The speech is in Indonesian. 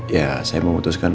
ya saya memutuskan